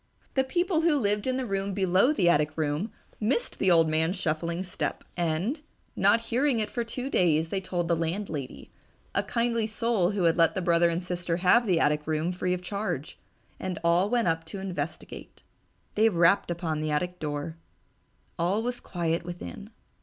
The people who lived in the room below the attic room missed the little old man's shuffling step, and, not hearing it for two days, they told the landlady, a kindly soul who had let the brother and sister have the attic room free of charge, and all went up to investigate.... They rapped upon the attic door. All was quiet within.